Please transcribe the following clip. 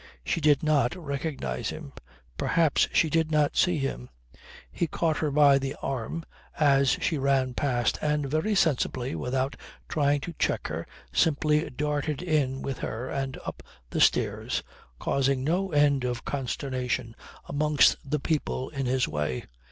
She did not recognize him; perhaps she did not see him. He caught her by the arm as she ran past and, very sensibly, without trying to check her, simply darted in with her and up the stairs, causing no end of consternation amongst the people in his way.